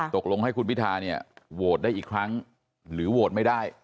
ตกลงให้คุณวิทาโหวดได้อีกครั้งหรือโหวดไม่ได้